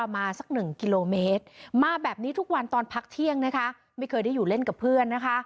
ไม่เคยได้อยู่เล่นกับเพื่อนนะคะ